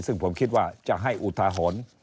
ซึ่งผมคิดว่าจะให้อุทาหรณ์